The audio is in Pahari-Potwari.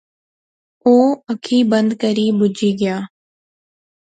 او اکھی بند کری بہجی گیا